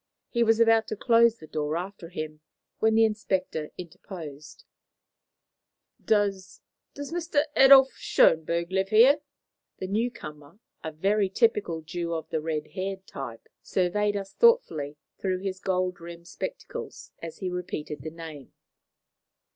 He was about to close the door after him when the inspector interposed. "Does Mr. Adolf Schönberg live here?" The new comer, a very typical Jew of the red haired type, surveyed us thoughtfully through his gold rimmed spectacles as he repeated the name.